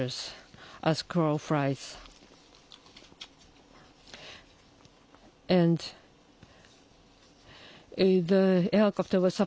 そうですね。